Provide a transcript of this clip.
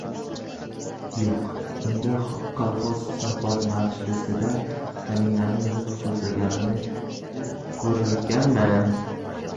Yo‘q? Unda, kolxoz hisobot majlisida kaminaning nutq so‘zlagani ko‘rilganmi?